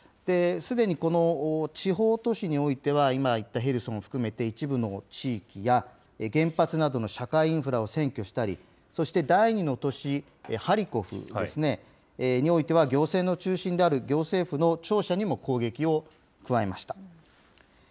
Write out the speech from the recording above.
すでにこの地方都市においては、今言った、ヘルソンを含めて一部の地域や原発などの社会インフラを占拠したり、そして第２の都市ハリコフですね、においては、行政の中心である行政府の庁舎にも攻撃を加えました。